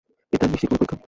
এটা নিশ্চিত কোনো পরীক্ষা।